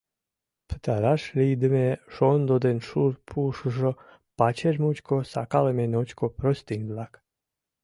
Пытараш лийдыме шондо ден шур пушыжо, пачер мучко сакалыме ночко простынь-влак.